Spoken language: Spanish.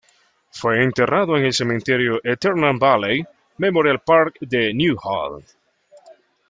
Fue enterrado en el Cementerio Eternal Valley Memorial Park de Newhall.